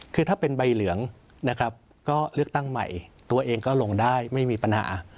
คือถ้าเป็นใบเหลืองนะครับก็เลือกตั้งใหม่ตัวเองก็ลงได้ไม่มีปัญหา